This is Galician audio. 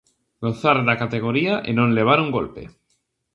Gozar da categoría e non levar un golpe.